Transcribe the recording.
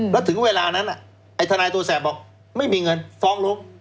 แล้วถึงเวลานั้นไอ้ทนายตัวแสบบอกไม่มีเงินฟ้องล้ม